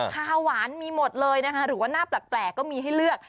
ข้าวหวานมีหมดเลยนะคะหรือว่าหน้าแปลกก็มีให้เลือก